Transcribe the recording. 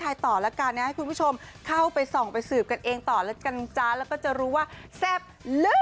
ให้คุณผู้ชมเข้าไปส่องไปสืบกันเองต่อละกันจ๊ะแล้วก็จะรู้ว่าแซ่บหรือ